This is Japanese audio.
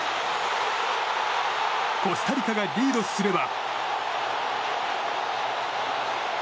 コスタリカがリードすれば。